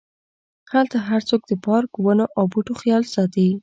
هلته هرڅوک د پارک، ونو او بوټو خیال ساتي.